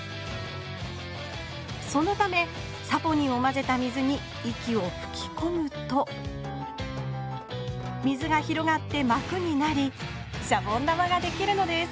そのためサポニンをまぜた水に息をふきこむと水が広がってまくになりシャボン玉ができるのです